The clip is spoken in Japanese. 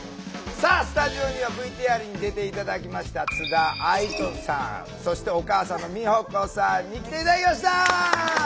さあスタジオにはＶＴＲに出て頂きました津田愛土さんそしてお母さんの美穂子さんに来て頂きました。